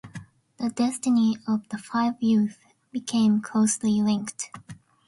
The destiny of the five youths became closely linked.